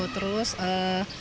terus bisa juga kecil